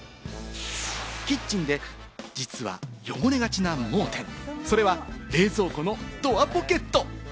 キッチンで実は汚れがちな盲点、それは冷蔵庫のドアポケット。